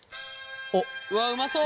うわうまそう！